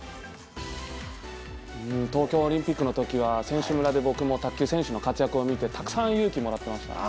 東京オリンピックの時は選手村で僕も卓球選手の活躍を見てたくさん勇気をもらいました。